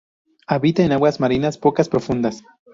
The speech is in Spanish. Habita en aguas marinas pocas profundas.